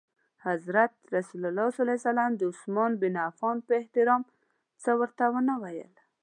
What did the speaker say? حضرت رسول ص د عثمان بن عفان په احترام څه ورته ونه ویل.